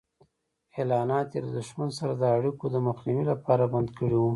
اعلانات یې له دښمن سره د اړیکو د مخنیوي لپاره بند کړي وو.